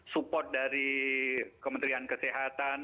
support dari kementerian kesehatan